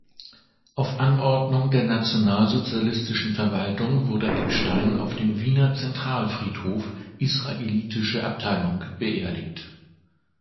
Auf Anordnung der nationalsozialistischen Verwaltung wurde Epstein auf dem Wiener Zentralfriedhof, Israelitische Abteilung, beerdigt.